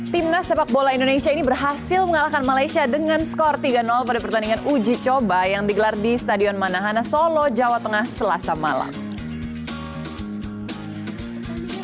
timnas sepak bola indonesia ini berhasil mengalahkan malaysia dengan skor tiga pada pertandingan uji coba yang digelar di stadion manahana solo jawa tengah selasa malam